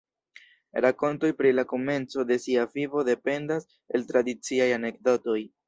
Rakontoj pri la komenco de sia vivo dependas el tradiciaj anekdotoj.